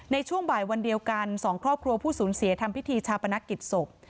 ในช่วงบ่ายวันเดียวกันสองครอบครัวผู้สูญเสียทำพิธีชาปนกิจศพ